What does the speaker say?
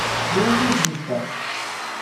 Seg wansi ay d-yeffeɣ?